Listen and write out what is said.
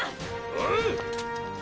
おう！